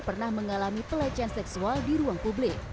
pertama seorang perempuan yang pernah mengalami pelecehan seksual di ruang publik